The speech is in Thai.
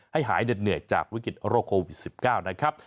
หายเหน็ดเหนื่อยจากวิกฤตโรคโควิด๑๙นะครับ